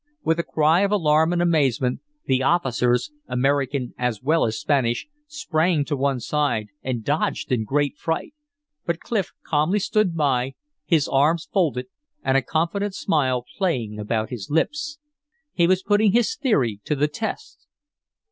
With a cry of alarm and amazement, the officers, American as well as Spanish, sprang to one side and dodged in great fright. But Clif calmly stood by, his arms folded and a confident smile playing about his lips. He was putting his theory to the test.